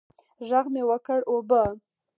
ږغ مې وکړ اوبه.